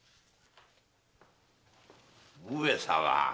上様。